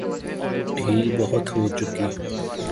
ڈھیل بہت ہو چکی۔